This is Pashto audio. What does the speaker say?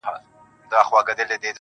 ماندوریې پر ملیې هم بېچاره دي